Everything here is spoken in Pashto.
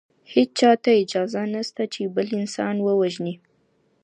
هیچا ته اجازه نسته چي بل انسان ووژني.